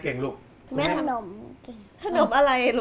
ของคุณยายถ้วน